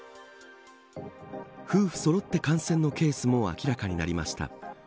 夫婦そろって感染のケースも明らかになりました。